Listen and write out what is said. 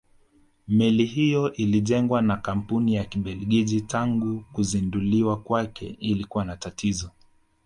Meli hiyo ilijengwa na kampuni ya Kibelgiji tangu kuzinduliwa kwake ilikuwa na tatizo